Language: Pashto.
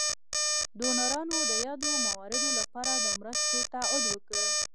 ډونرانو د یادو مواردو لپاره د مرستو تعهد وکړ.